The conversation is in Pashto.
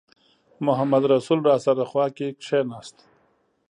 محمدرسول راسره خوا کې کېناست.